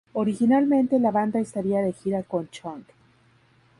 Originalmente, la banda estaría de gira con Chunk!